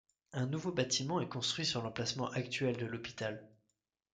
Un nouveau bâtiment est construit sur l'emplacement actuel de l'hôpital.